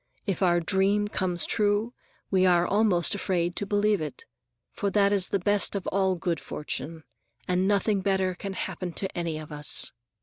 If our dream comes true, we are almost afraid to believe it; for that is the best of all good fortune, and nothing better can happen to any of us.